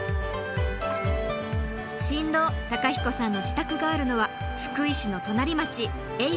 新郎公彦さんの自宅があるのは福井市の隣町永平寺町。